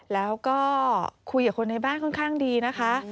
แล้วก็คุยกับคนในบ้านค่อนข้างดีนะคะ